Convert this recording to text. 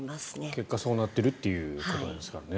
結果そうなっているということですからね。